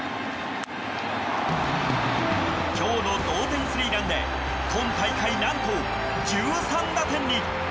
今日の同点スリーランで今大会、何と１３打点に。